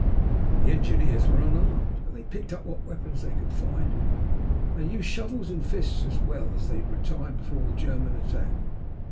The engineers were unarmed, but they picked up what weapons they could find and used shovels and fists as well as they retired before the German attack.